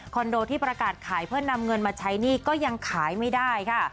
โดที่ประกาศขายเพื่อนำเงินมาใช้หนี้ก็ยังขายไม่ได้ค่ะ